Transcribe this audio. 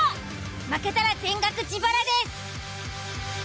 負けたら全額自腹です。